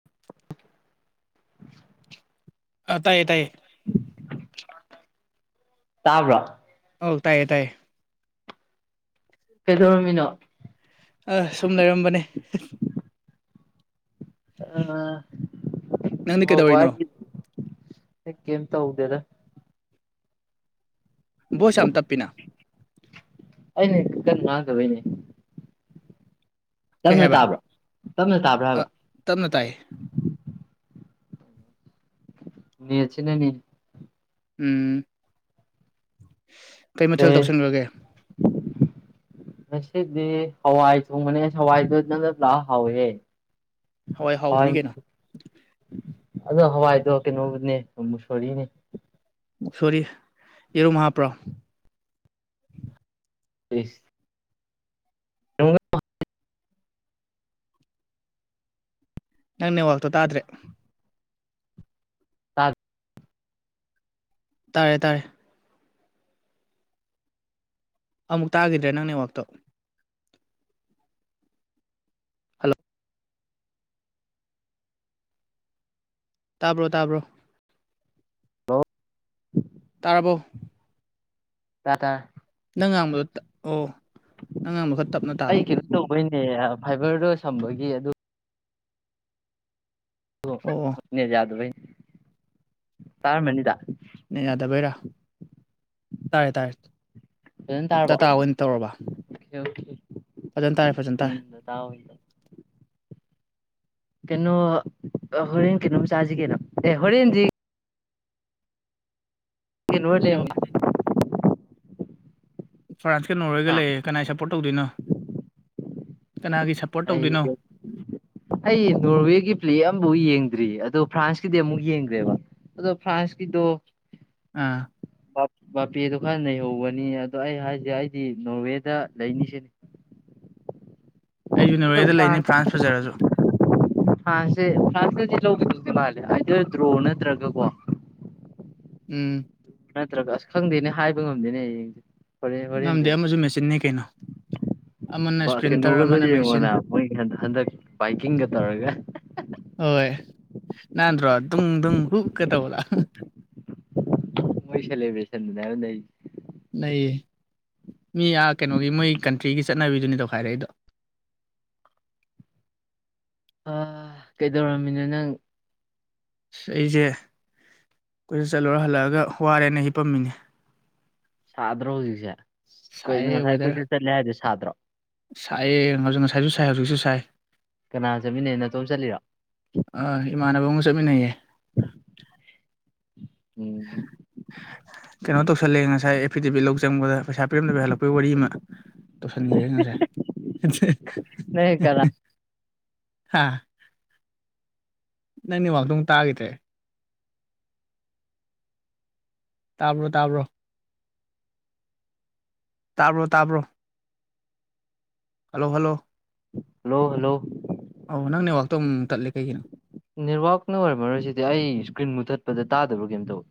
[inaudible] ꯑ ꯇꯥꯏꯌꯦ ꯇꯥꯏꯌꯦ ꯇꯥꯕ꯭ꯔꯥ ꯑꯧ ꯇꯥꯏꯌꯦ ꯇꯥꯏꯌꯦ ꯀꯩꯗꯣꯔꯝꯃꯤꯅꯣ ꯑꯥ ꯁꯨꯝ ꯂꯩꯔꯝꯕꯅꯦ ꯑ ꯅꯪꯗꯤ ꯍ [unintelligible] ꯀꯩꯗꯧꯔꯤꯅꯣ ꯑꯩ ꯀꯩꯝ ꯇꯧꯗꯦꯗ ꯕꯣꯁ ꯌꯥꯝ ꯇꯞꯄꯤꯅ ꯑꯩꯅ ꯀꯟ ꯉꯥꯡꯗꯕꯩꯅ‌ꯦ ꯀꯩ ꯇꯞꯅ ꯍꯥꯏꯕ ꯇꯥꯕ꯭ꯔꯥ ꯇꯞꯅ ꯇꯥꯕ꯭ꯔꯥ ꯑ ꯍꯥꯏꯕ ꯇꯞꯅ ꯇꯥꯏꯌ‌ꯦ ꯅ‌ꯦꯠꯁꯤꯅꯅꯤ ꯎꯝ ꯀꯩ ꯃꯊꯦꯜ ꯑꯦ ꯇꯧꯁꯟꯈ꯭ꯔꯒꯦ [unintelligible] ꯉꯁꯤꯗꯤ ꯍꯋꯥꯏ ꯊꫭꯡꯕꯅꯦ ꯍꯋꯥꯏꯗꯨ ꯅꯪꯅ ꯄꯨꯂꯥꯛꯞ [unintelligible] ꯍꯥꯎꯋꯦ ꯍꯥꯎꯕꯅꯤ ꯍꯋꯥꯏ ꯀꯩꯅꯣ ꯑꯗꯣ ꯍꯋꯥꯏꯗꯣ ꯀꯩꯅꯣꯅꯦ ꯃꯨꯁꯣꯔꯤꯅꯦ ꯃꯨꯛꯁꫭꯔꯤ ꯌꯦꯔꯨꯝ ꯍꯥꯞꯄ꯭ꯔꯣ ꯎꯁ ꯅ [unintelligible] ꯅꯪ ꯅꯦꯋꯥꯛꯇꯣ ꯇꯥꯗ꯭ꯔꯦ ꯇꯥ [unintelligible] ꯇꯥꯔꯦ ꯇꯥꯔꯦ ꯑꯃꯨꯛ ꯇꯥꯈꯤꯗ꯭ꯔꯦ ꯅꯪꯅꯦꯋꯥꯛꯇꯣ ꯍꯜꯂꯣ ꯇꯥꯕ꯭ꯔꯣ ꯇꯥꯕ꯭ꯔꯣ ꯍꯜꯂ‌ꫭ ꯇꯥꯔꯕꯣ ꯇꯔ‌ꯦ ꯇꯔꯦ ꯅꯪ ꯉꯥꯡꯕꯗꯣ ꯇꯞ ꯑꯣ ꯅꯪ ꯉꯥꯡꯕ ꯈꯔ ꯇꯞꯅ ꯇꯥꯕ ꯑꯩ ꯀꯩꯅꯣ ꯇꯧꯕꯩꯅꯦ ꯐꯥꯏꯕꯔꯗꯣ ꯁꯝꯕꯒꯤ ꯑꯗꯨ ꯑꯣ ꯅꯦꯠ ꯌꯥꯗꯕꯩꯅꯦ ꯇꯥꯔꯃꯅꯤꯗ ꯅꯦꯠ ꯌꯥꯗꯕꯩꯔꯥ ꯇꯥꯥꯔꯦ ꯇꯥꯔꯦ ꯐꯖꯅ ꯇꯥꯔꯕꯣ ꯗꯇꯥ ꯑꯣꯏꯅ ꯇꯧꯔꯕ ꯑꯣꯀꯦ ꯑꯣꯀꯦ ꯐꯖꯅ ꯇꯥꯔꯦ ꯐꯖꯅ ꯇꯥꯔꯦ ꯇꯥꯎ ꯀꯩꯅꯣ ꯍꯣꯔꯦꯟ ꯀꯩꯅꯣꯝ ꯆꯥꯁꯤ ꯀꯩꯅꯣ ꯑꯦ ꯍꯣꯔꯦꯟꯗꯤ ꯏꯅꯣ ꯂꯩ ꯅꯦꯠꯋꯥꯛ [unintelligible] ꯐ꯭ꯔꯥꯟꯁꯀ ꯅꯣꯔꯋꯦꯒ ꯍꯥ ꯂꯩꯌꯦ ꯀꯅꯥꯏ ꯁꯞꯄꯣꯔꯠ ꯇꯧꯗꯣꯏꯅꯣ ꯀꯅꯥꯒꯤ ꯁꯞꯄꯣꯔꯠ ꯑꯩ ꯇꯧꯗꯣꯏꯅꯣ ꯑꯩ ꯅꯣꯔꯋꯦꯒꯤ ꯄ꯭ꯂꯦ ꯑꯃꯐꯥꯎ ꯌꯦꯡꯗ꯭ꯔꯤ ꯑꯗꯣ ꯐ꯭ꯔꯥꯟꯁꯀꯤꯗꯤ ꯑꯃꯨꯛ ꯌꯦꯡꯒꯔꯦꯕ ꯑꯗꯣ ꯐ꯭ꯔꯥꯟꯁꯀꯤꯗꯣ ꯑꯥ ꯃꯄꯦꯗꯣ ꯈꯔ ꯅꯩꯍꯧꯕꯅꯤ ꯑꯗꯣ ꯑꯩ ꯍꯥꯏꯁꯦ ꯑꯩꯗꯤ ꯅꯣꯔꯋꯦꯗ ꯂꯩꯅꯤ ꯁꯤꯅꯦ ꯑꯩꯁꯨ ꯑꯗꯣ ꯅꯣꯔꯋꯦꯗ ꯂꯩꯅꯤ ꯐ꯭ꯔꯥꯟꯁ ꯐꯖꯔꯁꯨ ꯐꯔꯟꯁꯦ ꯐ꯭ꯔꯥꯟꯁꯅꯗꯤ ꯂꯧꯒꯤꯗꯧꯗꯤ ꯃꯥꯜꯂꯤ ꯑꯥꯏꯗꯔ ꯗ꯭ꯔꯣ ꯅꯠꯇ꯭ꯔꯒꯀꯣ ꯎꯝ ꯅꯠꯇ꯭ꯔꯒ ꯑꯁ ꯈꯪꯗꯦꯅꯦ ꯍꯥꯏꯕ ꯉꯝꯗꯦꯅꯦ ꯍꯌꯦꯡ ꯉꯝꯗꯦ ꯑꯃꯁꯨ ꯃꯦꯆꯤꯟꯅꯤ ꯀꯩꯅꯣ ꯑꯃꯅ ꯍꯣꯢ ꯏꯁꯄ꯭ꯔꯤꯟꯇꯔ ꯀꯩꯅꯣꯒꯗꯣ ꯑꯃꯅ ꯃꯦꯆꯤꯟ ꯌꯦꯡꯉꯣꯅ ꯃꯣꯏ ꯍꯟꯗꯛ ꯕꯥꯏꯀꯤꯡꯒ ꯇꯧꯔꯒ ꯍꯣꯏ ꯅꯥꯟꯗ꯭ꯔꯣ ꯗꯨꯡ ꯗꯨꯡ ꯍꯨꯛꯀ ꯇꯧꯕꯗꯣ ꯁꯦꯂꯦꯕꯔꯦꯁꯟ ꯗꯨꯅꯦ ꯍꯥꯏꯕ ꯅꯩꯔꯤꯖꯦ ꯅꯩꯌꯦ ꯃꯤ ꯑ ꯀꯩꯅꯣꯒꯤ ꯃꯣꯏ ꯀꯟꯇ꯭ꯔꯤꯒꯤ ꯆꯠꯅꯕꯤꯗꯨꯅꯤ ꯇꯧꯈꯥꯏꯔꯛꯏꯗꯣ ꯑ ꯀꯩꯗꯧꯔꯝꯃꯤꯅꯣ ꯅꯪ ꯑꯩꯖꯦ ꯀꯣꯏꯆꯠ ꯆꯠꯂꯨꯔ ꯍꯜꯂꯛꯑꯒ ꯋꯥꯔꯦꯅ ꯍꯤꯄꯝꯃꯤꯅꯦ ꯁꯥꯗ꯭ꯔꯣ ꯍꯧꯖꯤꯛꯁꯦ ꯀꯩꯅꯣ ꯁꯥꯏꯌꯦ ꯉꯁꯥꯏ ꯋꯦꯗꯔ ꯀꯣꯏꯆꯠ ꯆꯠꯂꯦ ꯍꯥꯏꯗꯣ ꯁꯥꯗ꯭ꯔꯣ ꯁꯥꯏꯌꯦ ꯉꯥ ꯉꯁꯥꯏꯁꯨ ꯁꯥꯏ ꯍꯧꯖꯤꯛꯁꯨ ꯁꯥꯏ ꯀꯅꯥ ꯆꯠꯃꯤꯟꯅꯩꯅꯣ ꯅꯇꯣꯝ ꯆꯠꯂꯤꯔꯣ ꯑ ꯏꯃꯥꯟꯅꯕ ꯑꯃꯒ ꯆꯠꯃꯤꯟꯅꯩꯌꯦ ꯎꯝ ꯀꯩꯅꯣ ꯇꯧꯁꯜꯂꯦ ꯉꯁꯥꯏ ꯑꯦꯐꯤꯗꯦꯚꯤꯠ ꯂꯧ ꯆꯪꯕꯗ ꯄꯩꯁꯥ ꯄꯤꯔꯝꯗꯕꯤ ꯍꯜꯂꯛꯄꯩ ꯋꯥꯔꯤ ꯑꯃ ꯇꯧꯁꯟꯈ꯭ꯔꯦ ꯉꯁꯥꯏ ꯅꯪ ꯀꯅꯥ ꯍꯥ ꯅꯪ ꯅꯦꯠꯋꯥꯥꯛꯇꯣ ꯑꯃꯨꯛ ꯇꯥꯒꯤꯗ꯭ꯔꯦ ꯇꯥꯕ꯭ꯔꯣ ꯇꯥꯕ꯭ꯔꯣ ꯇꯥꯕ꯭ꯔꯣ ꯇꯥꯕ꯭ꯔꯣ ꯍꯜꯂꯣ ꯍꯜꯂꯣ ꯍꯜꯂꯣ ꯍꯜꯂꯣ ꯑꯧ ꯅꯪ ꯅꯦꯠꯋꯥꯛꯇꯣ ꯑꯃꯨꯛ ꯃꯨꯛ ꯇꯠꯂꯦ ꯀꯩꯒꯤꯅꯣ ꯅꯦꯠꯋꯥꯛꯅ ꯑꯣꯏꯔꯝꯃꯔꯣꯏꯁꯤꯗꯤ ꯑꯩ ꯏꯁꯀ꯭ꯔꯤꯟ ꯃꯨꯊꯠꯄꯗ ꯇꯥꯗꯕ꯭ꯔꯥ ꯀꯩꯅꯣꯝ ꯇꯧꯋꯦ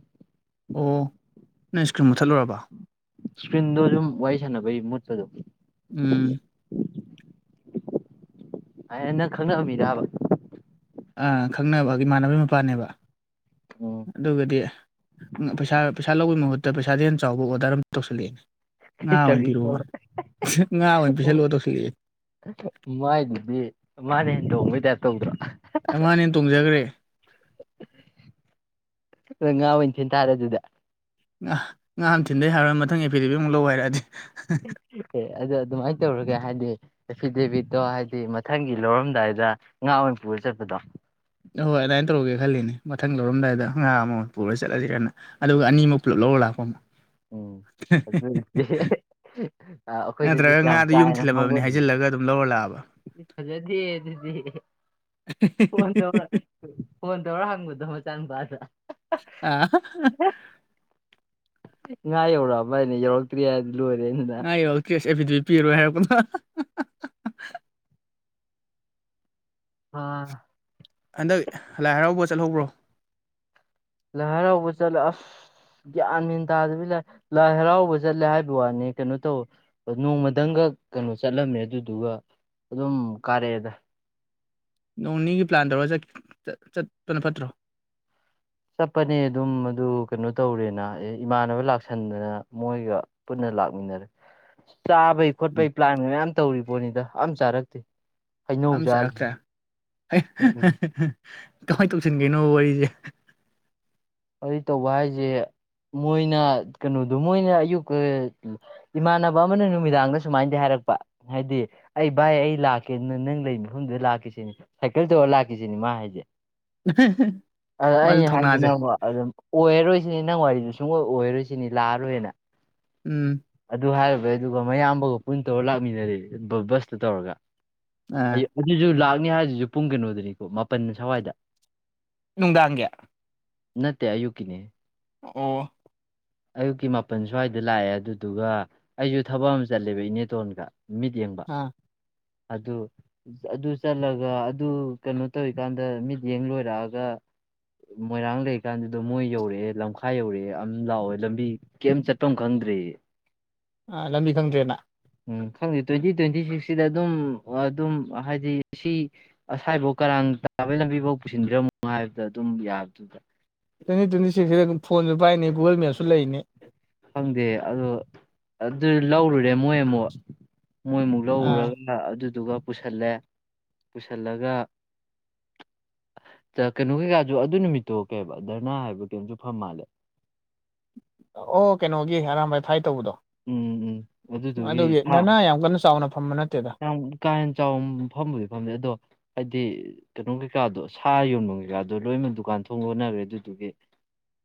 ꯑꯣ ꯅꯪ ꯏꯁꯀꯔ꯭ꯤꯟ ꯃꯨꯠꯊꯠꯂꯨꯔꯕ ꯏꯁꯀ꯭ꯔꯤꯟꯗꯣ ꯁꯨꯝ ꯋꯥꯔꯤ ꯁꯥꯟꯅꯕꯩ ꯃꯨꯠꯄꯗꯣ ꯎꯝ ꯅꯪ ꯈꯪꯅꯕ ꯃꯤꯔꯕ ꯑ ꯈꯪꯅꯕ ꯏꯃꯥꯟꯅꯕꯩ ꯃꯄꯥꯅꯦꯕ ꯑꯣ ꯑꯗꯨꯒꯗꯤ ꯄꯩꯁꯥ ꯄꯩꯁꯥ ꯂꯧꯕꯒꯤ ꯃꯍꯨꯠꯇ ꯄꯩꯁꯥꯗꯩꯩ ꯍꯦꯟꯅ ꯆꯥꯎꯕ ꯑꯣꯔꯗꯔ ꯑꯝ ꯇꯧꯁꯤꯜꯂꯛꯑꯦ ꯉꯥ ꯀꯩ ꯑꯣꯏ ꯇꯧꯔꯤꯅꯣ ꯄꯤꯔꯛꯑꯣꯌꯦ ꯉꯥ ꯑꯣꯏꯅ ꯄꯤꯁꯜꯂꯛꯑꯣ ꯇꯧꯁꯤꯜꯂꯛ ꯑꯦ ꯃꯥꯏꯗꯨꯗꯤ ꯃꯥꯅ ꯍꯦꯟ ꯇꯣꯡꯕꯩ ꯇꯥꯏꯞ ꯇꯧꯗ꯭ꯔꯣ ꯃꯥꯅ ꯍꯦꯟꯅ ꯇꯣꯡꯖꯒꯔꯦ ꯉꯥ ꯑꯣꯏꯅ ꯊꯤꯟ ꯇꯥꯔꯦ ꯑꯗꯨꯗꯤ ꯉꯥ ꯑꯣꯢꯅ ꯊꯤꯟꯗ ꯌꯥꯔꯥꯔꯣꯏ ꯃꯊꯪ ꯑꯦꯐꯤꯗꯦꯕꯤꯠꯃꯨꯛ ꯂꯧ ꯍꯥꯏꯔꯛꯑꯗꯤ ꯑꯗꯨ ꯑꯗꯨꯃꯥꯏꯅ ꯇꯧꯔꯒꯦ ꯍꯥꯏꯗꯤ ꯑꯦꯐꯤꯗꯦꯕꯤꯠꯇꯣ ꯍꯥꯏꯗꯤ ꯃꯊꯪꯒꯤ ꯂꯧꯔꯝꯗꯥꯏꯗ ꯉꯥ ꯑꯣꯏꯅ ꯄꯨꯔ ꯆꯠꯄꯗꯣ ꯑꯍꯣꯏ ꯑꯗꯥꯏꯅ ꯇꯧꯔꯒꯦ ꯈꯜꯂꯤꯅꯦ ꯃꯊꯪ ꯂꯧꯔꯝꯗꯥꯏꯗ ꯉꯥ ꯑꯃ ꯑꯣꯏ ꯄꯨꯔ ꯆꯠꯂꯁꯤ ꯀꯥꯏꯅ ꯑꯗꯨꯒ ꯑꯅꯤꯃꯛ ꯄꯨꯂꯞ ꯂꯧꯔ ꯂꯥꯛꯄ ꯑꯃꯨꯛ ꯎꯝ ꯑꯗꯨꯅꯦ ꯑ ꯑꯈꯣꯏꯗꯖꯨ ꯅꯠꯇ꯭ꯔꯒ ꯀꯌꯥꯝ ꯉꯥꯗꯨ ꯀꯥꯥ ꯌꯨꯝ ꯍꯦꯟꯅ ꯊꯤꯜꯂꯝꯃꯕꯅꯤ ꯉꯥꯎꯒꯟꯗꯦ ꯍꯥꯏꯖꯤꯜꯂꯒ ꯑꯗꯨꯝ ꯂꯧꯔ ꯂꯥꯛꯑꯕ ꯐꯖꯗꯦ ꯑꯗꯨꯗꯤ ꯐꯣꯟ ꯇꯧꯔ [unintelligible] ꯐꯣꯟ ꯇꯧꯔ ꯍꯪꯕꯗꯣ ꯃꯆꯥ ꯅꯨꯨꯄꯥꯗ ꯑꯥ ꯉꯥ ꯌꯧꯔꯛꯑꯕꯥꯅꯦ ꯌꯧꯔꯛꯇ꯭ꯔꯤ ꯍꯥꯏ ꯂꯣꯏꯔꯦ ꯑꯩꯅ ꯉꯥ ꯌꯧꯔꯛꯇ꯭ꯔꯤ ꯑꯁ ꯑꯦꯐꯤꯗꯦꯕꯤꯠ ꯄꯤꯔꯔꯣꯏ ꯍꯥꯏꯔꯛꯄꯗꯣ ꯍꯥ ꯍꯟꯗꯛ ꯂꯥꯏ ꯍꯔꯥꯎꯕ ꯆꯠꯍꯧꯕ꯭ꯔꯣ ꯂꯥꯏ ꯍꯔꯥꯎꯕ ꯆꯠꯂꯦ ꯑꯁ ꯒ꯭ꯌꯥꯟ ꯃꯦꯟ ꯇꯥꯗꯕꯤ ꯂꯥꯏ ꯂꯥꯏ ꯍꯔꯥꯎꯕ ꯆꯠꯂꯦ ꯍꯥꯏꯕ ꯋꯥꯅꯤ ꯀꯩꯅꯣ ꯇꯧ ꯅꯣꯡꯃꯗꯪꯒ ꯀꯩꯅꯣ ꯆꯠꯂꯝꯃꯦ ꯑꯗꯨꯗꯨꯒ ꯑꯗꯨꯝ ꯀꯥꯔꯛꯑꯦꯗ ꯅꯣꯡ ꯅꯤꯒꯤ ꯄ꯭ꯂꯥꯟ ꯇꯧꯔꯒ ꯆꯠ ꯆꯠ ꯆꯠꯄꯅ ꯐꯠꯇ꯭ꯔꯣ ꯆꯠꯄꯅꯦ ꯑꯗꯨꯝ ꯑꯗꯨ ꯀꯩꯅꯣ ꯇꯧꯔꯦꯅ ꯑꯦ ꯏꯃꯥꯟꯅꯕ ꯂꯥꯛꯁꯟꯗꯅ ꯃꯣꯏꯒ ꯄꯨꯟꯅ ꯂꯥꯛꯃꯤꯟꯅꯔꯦ ꯆꯥꯕꯩ ꯈꯣꯠꯄꯩ ꯄ꯭ꯂꯥꯟꯒ ꯃꯌꯥꯝ ꯇꯧꯔꯤꯄꯣꯠꯅꯤꯗ ꯑꯝ ꯆꯥꯔꯛꯇꯦ ꯍꯩꯅꯧ ꯑꯝ ꯆꯥꯔ ꯆꯥꯔꯛꯇ꯭ꯔꯦ ꯀꯃꯥꯏꯅ ꯇꯧꯁꯟꯒꯩꯅꯣꯕ ꯋꯥꯔꯤꯖꯦ ꯋꯥꯔꯤ ꯇꯧꯕ ꯍꯥꯏꯖꯦ ꯃꯣꯏꯅ ꯀꯩꯅꯣꯗꯣ ꯃꯣꯏꯅ ꯑꯌꯨꯛ [unintelligible] ꯏꯃꯥꯟꯅꯕ ꯑꯃꯅ ꯅꯨꯃꯤꯗꯥꯡꯗ ꯁꯨꯃꯥꯏꯅꯗꯤ ꯍꯥꯏꯔꯛꯄ ꯍꯥꯏꯗꯤ ꯑꯩ ꯚꯥꯏ ꯑꯩ ꯂꯥꯛꯀꯦ ꯅ ꯅꯪ ꯂꯩ ꯃꯐꯝꯗꯨꯗ ꯂꯥꯛꯀꯦ ꯁꯤꯅꯤ ꯁꯥꯏꯀꯜ ꯇꯧꯔ ꯂꯥꯛꯀꯦ ꯁꯤꯅꯤ ꯃꯥ ꯍꯥꯏꯖꯦ ꯑꯗ ꯃꯥꯁꯨ ꯑꯩꯅ ꯍꯥꯏꯖꯤꯅ ꯊꯧꯅꯥꯁꯦ ꯑꯃꯨꯛ ꯑꯗꯨꯝ ꯑꯣꯏꯔꯔꯣꯏ ꯁꯤꯅꯤ ꯅꯪ ꯋꯥꯔꯤꯗꯨ ꯁꯨꯡꯑꯣꯏ ꯑꯣꯏꯔꯔꯣꯏ ꯁꯤꯅꯤ ꯂꯥꯛꯑꯔꯣꯏꯅ ꯎꯝ ꯑꯗꯨ ꯍꯥꯏꯔꯨꯕꯩ ꯑꯗꯨꯒ ꯃꯌꯥꯝꯕꯒ ꯄꯨꯟ ꯇꯧꯔ ꯂꯥꯛꯃꯤꯟꯅꯔꯦ ꯕ ꯕꯁꯇ ꯇꯧꯔꯒ ꯑꯥ ꯑꯌ ꯑꯗꯨꯖꯨ ꯂꯥꯛꯅꯤ ꯍꯥꯏꯖꯤꯁꯨ ꯄꯨꯡ ꯀꯩꯅꯣꯗꯅꯤꯀꯣ ꯃꯥꯄꯟ ꯁꯋꯥꯏꯗ ꯅꯨꯡꯗꯥꯡꯒꯤ ꯅꯠꯇꯦ ꯑꯌꯨꯛꯀꯤꯅꯦꯍꯦ ꯑꯣ ꯑꯌꯨꯛꯀꯤ ꯃꯥꯄꯟ ꯁ꯭ꯋꯥꯏꯗ ꯂꯥꯛꯑꯦ ꯑꯗꯨꯗꯨꯒ ꯑꯩꯁꯨ ꯊꯕꯛ ꯑꯃ ꯆꯠꯂꯦꯕ ꯏꯅꯦꯇꯣꯟꯒ ꯃꯤꯠ ꯌꯦꯡꯕ ꯑꯥ ꯑꯗꯨ ꯑꯗꯨ ꯆꯠꯂꯒ ꯑꯗꯨ ꯀꯩꯅꯣ ꯇꯧꯔꯤꯀꯥꯟꯗ ꯃꯤꯠꯌꯦꯡ ꯂꯣꯏꯔꯛꯑꯒ ꯃꯣꯏꯔꯥꯡ ꯂꯩ ꯀꯥꯟꯗꯨꯗ ꯃꯣꯏ ꯌꯧꯔꯛꯑꯦ ꯂꯝꯈꯥꯏ ꯌꯧꯔꯛꯑꯦ ꯑꯝ ꯂꯥꯛꯑꯣ ꯂꯝꯕꯤ ꯀꯩꯝ ꯆꯠꯄꯝ ꯈꯪꯗ꯭ꯔꯦꯌꯦ [inaudible] ꯑꯥ ꯂꯝꯕꯤ ꯈꯪꯗ꯭ꯔꯦꯅ ꯎꯝ ꯈꯪꯗꯦ ꯇ꯭ꯋꯦꯟꯇꯤ ꯇ꯭ꯋꯦꯟꯇꯤ ꯁꯤꯛꯁ ꯁꯤꯗ ꯑꯗꯨꯝ ꯑꯗꯨꯝ ꯍꯥꯏꯗꯤ ꯁꯤ ꯑꯁꯥꯏꯕꯧ ꯀꯔꯥꯡ ꯇꯥꯕꯩ ꯂꯝꯕꯤꯕꯧ ꯄꯨꯁꯤꯟꯕꯤꯔꯝꯃꯣ ꯍꯥꯏꯕꯗ ꯑꯗꯨꯝ ꯌꯥꯕꯗꯨꯗ ꯇ꯭ꯋꯦꯟꯇꯤ ꯇ꯭ꯋꯦꯟꯇꯤ ꯁꯤꯛꯁ ꯁꯤꯗ ꯐꯣꯟꯖꯄ ꯄꯥꯏꯅꯤ ꯒꯨꯒꯜ ꯃꯦꯞꯁꯨ ꯂꯩꯅꯤ ꯈꯪꯗꯦ ꯑꯗꯣ ꯑꯗꯨꯖꯨ ꯂꯧꯔꯨꯔꯦ ꯃꯣꯏ ꯑꯃꯨꯛ ꯃꯣꯏꯃꯨꯛ ꯑꯥ ꯂꯧꯔꯨꯔꯒ ꯑꯗꯨꯗꯨꯒ ꯄꯨꯁꯤꯜꯂꯦ ꯄꯨꯁꯤꯜꯂꯒ ꯀꯩꯅꯣ ꯀꯩꯀꯥꯁꯨ ꯑꯗꯨ ꯅꯨꯃꯤꯠꯇꯣ ꯀꯩꯕ ꯙꯔꯅꯥ ꯍꯥꯏꯕ ꯀꯩꯝꯁꯨ ꯐꯝ ꯃꯥꯜꯂꯦ ꯑꯣ ꯀꯩꯅꯣꯒꯤ ꯑꯔꯥꯥꯟꯕꯏ ꯐꯥꯏ ꯇꯧꯕꯗꯣ ꯎꯝ ꯎꯝ ꯑꯗꯨꯗꯨꯒꯤ ꯑꯗꯨꯒꯤ ꯁꯥ ꯙꯔꯅꯥ ꯌꯥꯝ ꯀꯟꯅ ꯆꯥꯎꯅ ꯐꯝꯕ ꯅꯠꯇꯦ꯫ ꯌꯥꯝ ꯀꯥ ꯍꯦꯟꯅ ꯆꯥꯎ ꯐꯝꯕꯗꯤ ꯐꯝꯕꯨꯗꯤ ꯑꯗꯣ꯫ ꯍꯥꯏꯗꯤ ꯀꯩꯅꯣ ꯀꯩꯀꯥꯗꯣ ꯁꯥ ꯌꯣꯟꯐꯝ ꯀꯩꯀꯥꯗꯣ ꯂꯣꯏꯅꯃꯛ ꯗꯨꯀꯥꯟ ꯊꯣꯡ ꯂꯣꯟꯅꯈꯔꯦ ꯑꯗꯨꯗꯨꯒꯤ꯫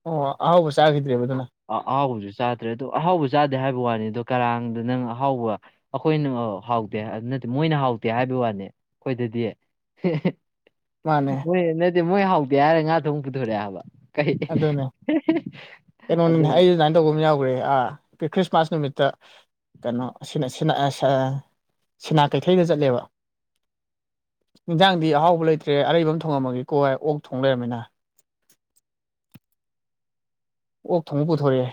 ꯑꯣ ꯑꯍꯥꯎꯕ ꯆꯥꯈꯤꯗ꯭ꯔꯦꯕ ꯑꯗꯨꯅ꯫ ꯑ ꯑꯍꯥꯎꯕꯁꯨ ꯆꯥꯗ꯭ꯔꯦ ꯑꯗꯣ ꯑꯍꯥꯎꯕ ꯆꯥꯗꯦ ꯍꯥꯏꯕ ꯋꯥꯅꯤ ꯑꯗꯣ ꯀꯔꯥꯡꯗ ꯅꯪ ꯑꯍꯥꯎꯕ꯫ ꯑꯩꯈꯣꯏꯅ ꯍꯥꯎ꯫ ꯗꯦ ꯑꯗꯨ ꯅꯠꯇꯦ ꯃꯣꯏꯅ ꯍꯥꯎꯇꯦ ꯍꯥꯏꯕ ꯋꯥꯅꯤ ꯑꯩꯈꯣꯏꯗꯗꯤ꯫ ꯃꯥꯅꯦ ꯃꯣꯏ ꯅꯠꯇꯦ ꯃꯣꯏ ꯍꯥꯎꯇꯦ ꯍꯥꯏꯔ ꯉꯥ ꯊꯣꯡ ꯄꯨꯊꯣꯔꯛꯑꯦ ꯍꯥꯏꯕ꯫ ꯀꯩ ꯑꯗꯨꯅꯦ ꯑꯗꯨ꯫ ꯀꯩꯅꯣꯅꯤꯅꯦ ꯑꯩ ꯑꯗꯨꯃꯥꯏꯅ ꯇꯧꯕ ꯑꯃ ꯌꯥꯎꯈ꯭ꯔꯦ ꯑꯥ ꯑꯩ ꯈ꯭ꯔꯤꯁꯃꯥꯁ ꯅꯨꯃꯤꯠꯇ꯫ ꯀꯩꯅꯣ ꯁꯤꯅ ꯁꯤꯅꯥ ꯀꯩꯊꯩꯗ ꯆꯠꯂꯦꯕ꯫ ꯌꯦꯟꯖꯥꯡꯗꯤ ꯑꯍꯥꯎꯕ ꯂꯩꯇ꯭ꯔꯦ ꯑꯔꯩꯕ ꯑꯃ ꯊꯣꯡꯉꯝꯃꯒꯦꯀꯣ ꯍꯥꯏꯔ ꯑꯣꯛ ꯊꯣꯡ ꯂꯩꯔꯝꯃꯤꯅ꯫ ꯑꯣꯛ ꯊꯣꯡꯉ ꯄꯨꯊꯣꯔꯛꯑꯦ꯫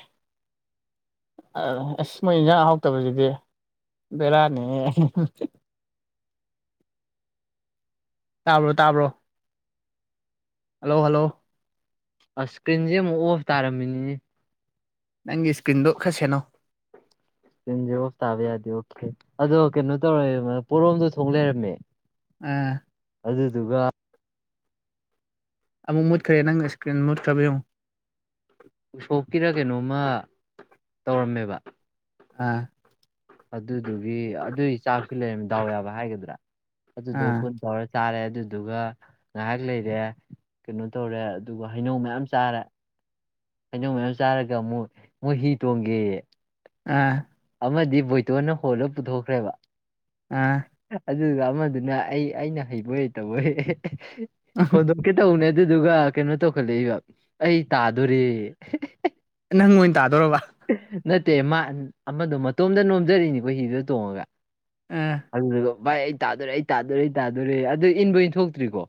ꯑꯁ ꯃꯣꯏ ꯏꯟꯁꯥꯡ ꯑꯍꯥꯎꯇꯕꯁꯤꯗꯤ ꯕꯦꯔꯥꯅꯤꯍꯦ꯫ ꯇꯥꯕ꯭ꯔꯣ ꯇꯥꯕ꯭ꯔꯣ꯫ Hello hello. ꯑꯁ ꯏꯁ꯭ꯀ꯭ꯔꯤꯟꯁꯦ ꯑꯃꯨꯛ ꯑꯣꯐ ꯇꯥꯔꯝꯃꯤꯅꯤꯅꯦ꯫ ꯅꯪꯒꯤ ꯏꯁꯀ꯭ꯔꯤꯟꯗꯣ ꯈꯔ ꯁꯦꯟꯅꯧ꯫ ꯁꯀ꯭ꯔꯤꯟ ꯑꯣꯐ ꯇꯥꯕ ꯌꯥꯗꯦ ꯑꯣꯀꯦ ꯑꯗꯣ ꯀꯩꯅꯣ ꯇꯧꯔ ꯄꯣꯔꯣꯝꯗꯣ ꯊꯣꯡ ꯂꯩꯔꯝꯃꯦ꯫ ꯑꯥ꯫ ꯑꯗꯨꯗꯨꯒ꯫ ꯑꯃꯨꯛ ꯃꯨꯠꯈ꯭ꯔꯦ ꯅꯪ ꯏꯁꯀ꯭ꯔꯤꯟ ꯃꯨꯠꯈ꯭ꯔꯕꯌꯦꯡꯉꯨ꯫ ꯎꯁꯣꯞꯀꯤꯔ ꯀꯩꯅꯣꯝꯃ ꯇꯧꯔꯝꯃꯦꯕ꯫ ꯑꯥ꯫ ꯑꯗꯨꯗꯨꯒꯤ ꯑꯗꯨꯒꯤ ꯆꯥꯛꯇꯤ ꯂꯩꯔꯝꯃꯤ ꯗꯥꯎ ꯌꯥꯕ ꯍꯥꯏꯒꯗ꯭ꯔꯥ ꯑꯗꯨꯗꯨꯒ ꯑꯥ ꯄꯨꯟ ꯇꯧꯔ꯫ ꯆꯥꯔꯦ ꯑꯗꯨꯗꯨꯒ ꯉꯥꯏꯍꯥꯛ ꯂꯩꯔꯦ ꯀꯩꯅꯣ ꯇꯧꯔꯦ ꯑꯗꯨꯒ ꯍꯩꯅꯧ ꯃꯌꯥꯝ ꯆꯥꯔꯦ꯫ ꯍꯩꯅꯧ ꯃꯌꯥꯝ ꯆꯥꯔꯒ ꯑꯃꯨꯛ ꯃꯣꯏ ꯍꯤ ꯇꯣꯡꯒꯦꯌꯦ꯫ ꯑꯥ꯫ ꯑꯃꯗꯤ ꯕꯣꯏꯇꯣꯟꯅ ꯍꯣꯜꯂ ꯄꯨꯊꯣꯛꯈ꯭ꯔꯦꯕ꯫ ꯑꯥ꯫ ꯑꯗꯨꯒ ꯑꯃꯗꯨꯅ ꯑꯩ ꯑꯩꯅ ꯍꯩꯕꯣꯏ ꯍꯩꯇꯕꯣꯏ ꯐꯣꯟꯗꯣ꯫ ꯀꯩꯇꯧꯅꯦ ꯑꯗꯨꯗꯨꯒ ꯀꯩꯅꯣ ꯇꯧꯈꯠꯂꯛꯏꯕ ꯑꯩ ꯇꯥꯗꯣꯔꯦꯌꯦ꯫ ꯅꯪ ꯑꯣꯏꯅ ꯇꯥꯗꯣꯔꯕ꯫ ꯅꯠꯇꯦ ꯃꯥ ꯑꯃꯗꯣ ꯃꯇꯣꯝꯗ ꯅꯣꯝꯖꯔꯤꯅꯤꯀꯣ ꯍꯤꯗꯣ ꯇꯣꯡꯉꯒ꯫ ꯑꯥ꯫ ꯑꯗꯨꯗꯨꯒ ꯚꯥꯏ ꯑꯩ ꯇꯥꯗꯣꯔꯦ ꯑꯩ ꯇꯥꯗꯣꯔꯦ ꯑꯩ ꯇꯥꯗꯣꯔꯦ ꯑꯗꯨ ꯏꯟꯕ ꯏꯟꯊꯣꯛꯇ꯭ꯔꯤꯀꯣ꯫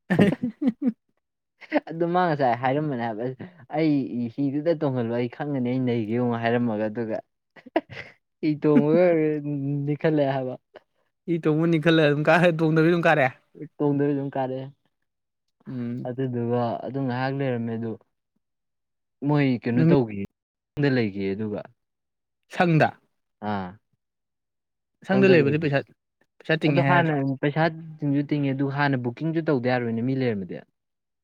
[unintelligible] ꯑꯗꯨ ꯃꯥ ꯉꯁꯥꯏ ꯍꯥꯏꯔꯝꯕꯅꯦ ꯍꯥꯏꯕ꯫ ꯑꯩ ꯍꯤꯗꯨꯗ ꯇꯣꯡꯍꯜꯂꯣ ꯑꯩ ꯈꯪꯒꯅꯤ ꯑꯩ ꯅꯩꯒꯦ ꯌꯦꯡꯉꯣ ꯍꯥꯏꯔꯝꯃꯒ ꯑꯗꯨꯒ꯫ ꯍꯤ ꯇꯣꯡꯉꯒ ꯅꯤꯛꯈꯠꯂꯛꯑꯦ ꯍꯥꯏꯕ꯫ ꯍꯤ ꯇꯣꯡꯉꯥ ꯅꯤꯛꯈꯠꯂꯛꯑꯦ ꯑꯗꯨꯝ ꯀꯔꯛꯑꯦ ꯑꯗꯨꯝ ꯇꯣꯡꯗꯕꯤ ꯑꯗꯨꯝ ꯀꯥꯔꯛꯑꯦ꯫ ꯇꯣꯡꯗꯕꯤ ꯑꯗꯨꯝ ꯀꯥꯔꯛꯑꯦ꯫ ꯎꯝ꯫ ꯑꯗꯨꯗꯨꯒ ꯑꯗꯨ ꯉꯥꯏꯍꯥꯛ ꯂꯩꯔꯝꯃꯦ ꯑꯗꯨ ꯃꯣꯏ ꯀꯩꯅꯣ ꯅꯨꯃꯤꯠ ꯇꯧꯈꯤ꯫ ꯌꯨꯝꯗ ꯂꯩꯒꯦꯌꯦ ꯑꯗꯨꯒ꯫ ꯁꯪꯗ꯫ ꯑꯥ ꯑꯁꯪꯗ ꯁꯪꯗ ꯂꯩꯕꯗꯤ ꯂꯩꯒꯦ ꯄꯩꯁꯥ ꯄꯩꯁꯥ ꯑꯗꯣ ꯇꯤꯡꯉꯦ ꯍꯥꯟꯅ꯫ ꯍꯥꯏꯗ꯭ꯔꯣ ꯄꯩꯁꯥ ꯇꯤꯡꯁꯨ ꯇꯤꯡꯉꯦ ꯑꯗꯨ ꯍꯥꯟꯅ ꯕꯨꯛꯀꯤꯡꯁꯨ ꯇꯧꯗ ꯌꯥꯔꯣꯏꯅꯦ ꯃꯤ ꯂꯩꯔꯝꯃꯗꯤ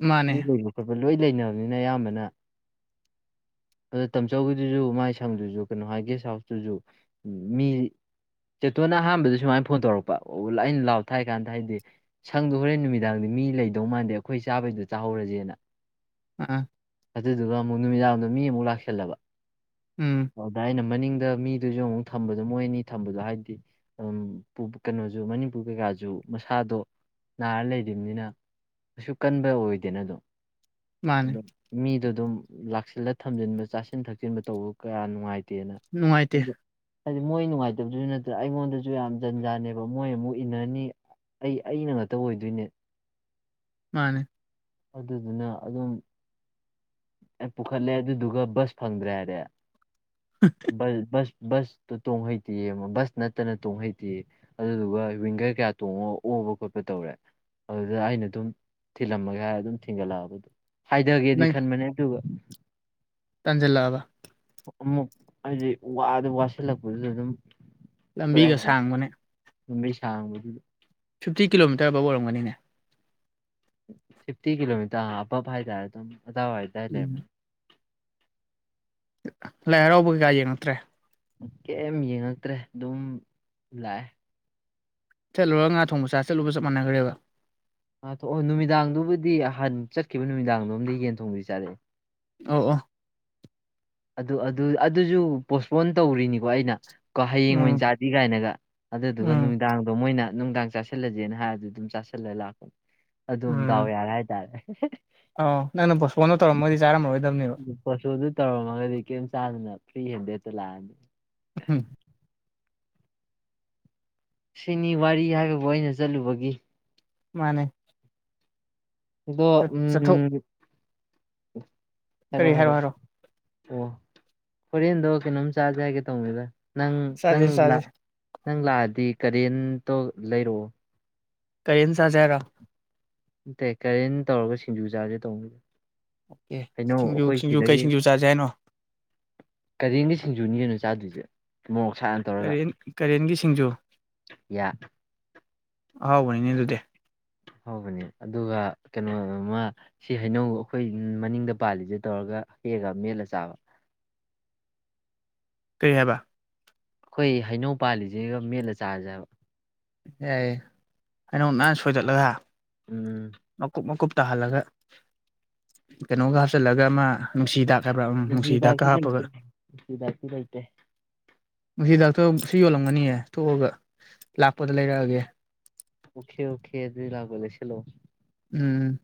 ꯃꯥꯅꯦ ꯃꯤ ꯂꯩ꯫ ꯈꯣꯠꯄ ꯂꯣꯏ ꯂꯩꯅꯕꯅꯤꯅ ꯑꯌꯥꯝꯕꯅ꯫ ꯑꯗꯣ ꯇꯝꯆꯧꯕꯒꯤꯗꯨꯁꯨ ꯃꯥꯏ ꯁꯪꯗꯨꯁꯨ ꯀꯩꯅꯣ ꯍꯥꯏ ꯒꯦꯁ ꯍꯥꯎꯁ꯫ ꯗꯨꯁꯨ ꯃꯤ ꯆꯦꯇꯣꯟꯅ ꯑꯍꯥꯟꯕꯗ ꯁꯨꯃꯥꯏꯅ ꯐꯣꯟ ꯇꯧꯔꯛꯄ ꯑꯣ ꯑꯩꯅ ꯂꯥꯎꯑꯣ ꯊꯥꯏ ꯍꯥꯏ ꯀꯥꯟꯗ ꯍꯥꯏꯗꯤ ꯁꯪꯗꯣ ꯍꯣꯔꯦꯟ ꯅꯨꯃꯤꯗꯥꯡꯗꯤ ꯃꯤ ꯂꯩꯗꯧ ꯃꯥꯟꯗꯦ ꯑꯩꯈꯣꯏ ꯆꯥꯕꯩꯗꯣ ꯆꯥꯍꯧꯔꯁꯦꯅ꯫ ꯑꯥ ꯑꯗꯨꯗꯨꯒ ꯑꯃꯨꯛ ꯅꯨꯃꯤꯗꯥꯡꯔꯝꯗ ꯃꯤ ꯑꯃꯨꯛ ꯂꯥꯛꯁꯜꯂꯕ꯫ ꯎꯝ꯫ ꯑꯗ ꯑꯩꯅ ꯃꯅꯤꯡꯗ ꯃꯤꯗꯨꯁꯨ ꯑꯃꯨꯛ ꯊꯝꯕꯗꯣ ꯃꯣꯏꯅꯤ ꯊꯝꯕꯗꯣ ꯍꯥꯏꯗꯤ ꯎꯝ ꯀꯩꯅꯣꯁꯨ ꯃꯅꯤꯄꯨꯔ ꯀꯩꯀꯥꯁꯨ ꯃꯁꯥꯗꯣ ꯅꯥꯔ ꯂꯩꯔꯤꯕꯅꯤꯅ꯫ ꯀꯩꯁꯨ ꯀꯟꯕ ꯑꯣꯏꯗꯦꯅ ꯑꯗꯨꯝ ꯃꯥꯅꯦ ꯑꯗꯨꯝ ꯃꯤꯗꯣ ꯑꯗꯨꯝ ꯂꯥꯛꯁꯤꯜꯂ ꯊꯝꯖꯤꯟꯕ ꯆꯥꯁꯤꯟ ꯊꯛꯆꯤꯟꯕ ꯇꯧꯕ ꯀꯌꯥ ꯅꯨꯡꯉꯥꯏꯇꯦꯅ꯫ ꯅꯨꯡꯉꯥꯏꯇꯦ ꯑꯗ ꯍꯥꯏꯗꯤ ꯃꯣꯏ ꯅꯨꯡꯉꯥꯏꯇꯕꯗꯨꯁꯨ ꯅꯠꯇꯅ ꯑꯩꯉꯣꯟꯗꯁꯨ ꯌꯥꯝ ꯖꯟꯖꯥꯅꯦꯕ ꯃꯣꯏ ꯑꯃꯨꯛ ꯏꯟꯅꯅꯤ꯫ ꯑꯩ ꯑꯩꯅ ꯉꯥꯛꯇ ꯑꯣꯏꯗꯣꯏꯅꯦ꯫ ꯃꯥꯅꯦ꯫ ꯑꯗꯨꯗꯨꯅ ꯑꯗꯨꯝ꯫ ꯄꯨꯈꯠꯂꯦ ꯑꯗꯨꯗꯨꯒ ꯕꯁ ꯐꯪꯗ꯭ꯔꯦ ꯍꯥꯏꯔꯦ꯫ [unintelligible] ꯕꯥꯁ ꯕꯥꯁ ꯇꯣꯡ ꯍꯩꯇꯌꯦ ꯕꯥꯁ ꯅꯠꯇꯅ ꯇꯣꯡ ꯍꯩꯇꯦꯌꯦ꯫ ꯑꯗꯨꯗꯨꯒ ꯋꯤꯡꯒꯔ ꯀꯌꯥ ꯇꯣꯡꯉꯒ ꯑꯣꯕ ꯈꯣꯠꯄ ꯇꯧꯔꯦ꯫ ꯑꯗꯨꯗ ꯑꯩꯅ ꯑꯗꯨꯝ ꯊꯤꯜꯂꯝꯃꯒꯦ ꯍꯥꯏꯔ ꯑꯗꯨꯝ ꯊꯤꯟꯒꯠꯂꯛꯑꯕꯗꯣ꯫ ꯍꯥꯏꯊꯒꯦꯗꯤ ꯈꯟꯕꯅꯦ ꯑꯗꯨꯒ꯫ ꯇꯟꯖꯤꯜ ꯂꯕꯥ ꯑꯃꯨꯛ ꯍꯥꯏꯗꯤ ꯋꯥꯗ ꯋꯥꯁꯤꯜꯂꯛꯄꯗꯨꯗ ꯑꯗꯨꯝ ꯇꯣꯛꯑꯦ ꯂꯝꯕꯤꯒ ꯍꯥꯏꯕ, ꯁꯥꯡꯕꯅꯦ꯫ ꯂꯝꯕꯤ ꯁꯥꯡꯕꯗꯨꯗꯤ ꯐꯤꯞꯇꯤ ꯀꯤꯂꯣꯃꯤꯇꯔ ꯑꯕꯥꯞ ꯑꯣꯏꯔꯒꯅꯤꯅꯦ꯫ ꯐꯤꯐꯇꯤ ꯀꯤꯂꯣꯃꯤꯇꯔ ꯑꯕꯞ ꯍꯥꯏꯇꯥꯔꯦ ꯑꯗꯨꯝ ꯑꯗꯥꯋꯥꯏꯗꯥꯏ ꯎꯝ ꯂꯩꯕꯗꯣ꯫ ꯂꯥꯏ ꯍꯔꯥꯎꯕ ꯀꯩꯀꯥ ꯌꯦꯡꯉꯛꯇ꯭ꯔꯦ꯫ ꯀꯩꯝ ꯌꯦꯡꯉꯛꯇ꯭ꯔꯦ ꯑꯗꯨꯝ ꯂꯥꯛꯑꯦ꯫ ꯆꯠꯂꯨꯔꯒ ꯉꯥ ꯊꯣꯡ ꯆꯥ ꯆꯥꯠꯂꯨꯕꯒ ꯆꯞ ꯃꯥꯟꯅꯈ꯭ꯔꯦꯕ꯫ ꯑꯥ ꯊꯣꯛꯑꯣ ꯅꯨꯃꯤꯗꯥꯡꯗꯨꯕꯨꯗꯤ ꯍꯍꯥꯟ ꯆꯠꯈꯤꯕ ꯅꯨꯃꯤꯗꯥꯡꯗꯣꯝꯗꯤ ꯌꯦꯟ ꯊꯣꯡꯕꯗꯤ ꯆꯥꯔꯛꯑꯦ ꯑꯧꯎ ꯑꯣ ꯑꯗꯨ ꯑꯗꯨ ꯑꯗꯨꯁꯨ ꯄꯣꯁꯄꯣꯟ ꯇꯧꯔꯤꯅꯤꯀꯣ ꯑꯩꯅ꯫ ꯀꯣ ꯍꯌꯦꯡ ꯎꯝ ꯑꯣꯏꯅ ꯆꯥꯁꯤ ꯀꯥꯏꯅꯒ ꯑꯗꯨꯗꯨꯒ ꯎꯝ ꯅꯨꯡꯗꯥꯡ ꯑꯗꯣ ꯃꯣꯏꯅ ꯅꯨꯡꯗꯥꯡ ꯆꯥꯥꯁꯜꯂꯁꯦꯅ ꯍꯥꯏꯔꯗꯤ ꯑꯗꯨꯝ ꯆꯥꯥꯁꯜꯂꯒ ꯂꯥꯛꯄ ꯑꯗꯨꯝ ꯗꯥꯎ ꯌꯥꯔꯦ ꯍꯥꯏꯇꯥꯔꯦ꯫ ꯑꯣ ꯅꯪꯅ ꯄꯣꯁꯄꯣꯟꯗꯣ ꯇꯧꯔꯝꯃꯣꯏꯗꯤ ꯆꯥꯔꯝꯃꯔꯣꯏꯗꯕꯅꯦꯕ꯫ ꯄꯣꯠꯁꯣꯗꯨ ꯇꯧꯔꯝꯃꯒꯗꯤ ꯀꯔꯤꯝ ꯆꯥꯗꯅ ꯐ꯭ꯔꯤ ꯍꯦꯟꯗꯦꯗꯠꯇ ꯂꯥꯛꯑꯅꯤ꯫ ꯎꯝ [unintelligible] ꯁꯤꯅꯤ ꯋꯥꯔꯤ ꯍꯥꯏꯕꯕꯨ ꯑꯩꯅ ꯆꯠꯂꯨꯕꯒꯤ ꯃꯥꯅꯦ ꯑꯗꫭ ꯆꯠ ꯆꯠꯊꯣꯛ ꯎꯝ ꯍꯥꯏꯔꯣ ꯍꯥꯏꯔꯣ ꯑꯣ ꯍꯣꯔꯦꯟꯗꯣ ꯀꯩꯅꯣꯝ ꯆꯥꯖꯒꯦ ꯇꯧꯕꯅꯤꯗ ꯅꯪ ꯆꯥꯁꯦ ꯅꯪ ꯆꯥꯁꯦ ꯅꯪ ꯂꯥꯛꯑꯗꯤ ꯀꯔꯦꯟꯇꯣ ꯂꯩꯔꯛꯑꯣ ꯀꯔꯤꯟ ꯆꯖ‌ꯦ ꯍꯥꯏꯔꫭ ꯀꯩ ꯀꯔꯦꯟ ꯇꯧꯔꯒ ꯁꯤꯡꯖꯨ ꯆꯥꯥꯁꯦ ꯇꯧꯕꯅꯤ ꯑꯣ ꯁꯤꯡꯖꯨ ꯁꯤꯡꯖꯨ ꯀꯩ ꯁꯤꯡꯖꯨ ꯆꯥꯥꯁꯦ ꯍꯥꯏꯅꯣ ꯀꯔꯤꯟꯒꯤ ꯁꯤꯡꯖꯨꯅꯤ ꯀꯩꯅꫭ ꯆꯥꯗꯣꯏꯁꯦ ꯃꯣꯔꯣꯛ ꯁꯥꯅꯥ ꯀꯔꯦꯟ ꯀꯔꯦꯟꯒꯤ ꯁꯤꯡꯖꯨ ꯌꯥ ꯑꯍꯥꯎꯕꯅꯤꯅꯦ ꯑꯗꯨꯗꯤ ꯍꯧꯕꯅꯤ ꯑꯗꯨꯒ ꯀꯩꯅꯣꯃ ꯁꯤ ꯍꯩꯅꯧ ꯑꯩꯈꯣꯏ ꯃꯅꯤꯡꯗ ꯄꯥꯜꯂꯤꯁꯦ ꯇꯧꯔꯒ ꯍꯦꯛꯑꯒ ꯃꯦꯠꯂ ꯆꯥꯕ ꯀꯔꯤ ꯍꯥꯏꯕ ꯑꯩꯈꯣꯏ ꯍꯩꯅꯧ ꯄꯥꯜꯂꯤꯁꯤꯒ ꯃꯦꯠꯂ ꯆꯥꯖꯤ ꯌꯥꯏ ꯍꯩꯅꯧ ꯅꯥꯟꯅ ꯁꯣꯏꯗꯠꯂꯒ ꯎꯝ ꯃꯀꯨꯞ ꯃꯀꯨꯞ ꯇꯥꯍꯜꯂꯒ ꯀꯩꯅꯣꯒ ꯍꯥꯞꯆꯤꯜꯂꯒ ꯑꯃ ꯅꯨꯡꯁꯤꯗꯥꯛ ꯍꯥꯏꯕ꯭ꯔꯥꯝ ꯅꯨꯡꯁꯤꯗꯥꯛꯀ ꯍꯤꯗꯥꯛꯇꯤ ꯍꯥꯞꯄꯒ ꯂꯩꯇꯦ ꯍꯤꯗꯥꯛꯇꯤ ꯂꯩꯇꯦ ꯃꯁꯤ ꯗꯥꯛꯇꫭ ꯁꯤ ꯌꯣꯜꯂꯝꯒꯅꯤꯌꯦ ꯊꯣꯛꯑꯒ ꯂꯥꯛꯄꯗ ꯂꯩꯔꯛꯑꯒꯦ ꯎꯈꯦ ꯎꯈꯦ ꯑꯗꯨꯗꯤ ꯂꯥꯛꯄꯗ ꯂꯩꯁꯤꯜꯂꯛꯑꫭ ꯎꯝ